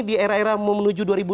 di era era mau menuju dua ribu empat